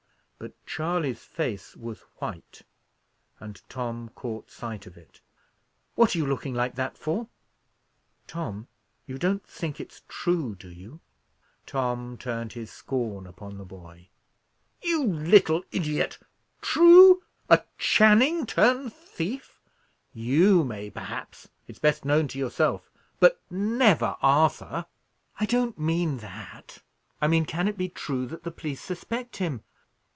But Charley's face was white, and Tom caught sight of it. "What are you looking like that for?" "Tom! you don't think it's true, do you?" Tom turned his scorn upon the boy. "You little idiot! True! A Channing turn thief! You may, perhaps it's best known to yourself but never Arthur." "I don't mean that. I mean, can it be true that the police suspect him?"